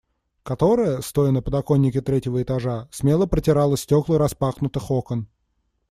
Которая, стоя на подоконнике третьего этажа, смело протирала стекла распахнутых окон.